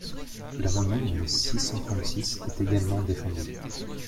L’amendement numéro six cent trente-six est également défendu.